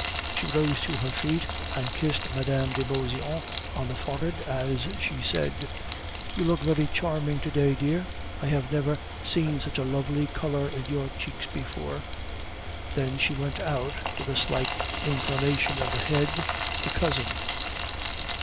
She rose to her feet and kissed Mme. de Beauseant on the forehead as she said: "You look very charming to day, dear. I have never seen such a lovely color in your cheeks before." Then she went out with a slight inclination of the head to the cousin.